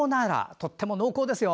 とっても濃厚ですよ。